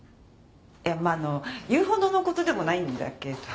まあ言うほどの事でもないんだけど。